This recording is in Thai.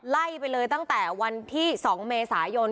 ไล่ไปเลยตั้งแต่วันที่๒เมษายน